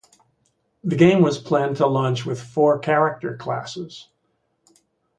The game was planned to launch with four character classes.